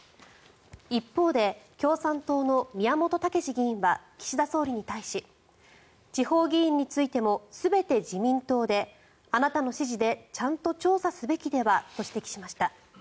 一方で共産党の宮本岳志議員は岸田総理に対し地方議員についても全て自民党であなたの指示でちゃんと調査すべきではと指摘しました。